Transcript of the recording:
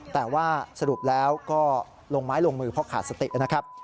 แต่ว่าสรุปแล้วก็ลงไม้ลงมือเพราะขาดสตินะครับ